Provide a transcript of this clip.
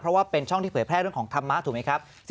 เพราะว่าเป็นช่องที่เผยแพร่เรื่องของธรรมะถูกไหมครับ